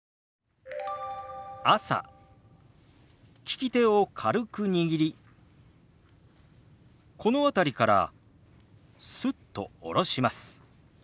利き手を軽く握りこの辺りからスッと下ろします。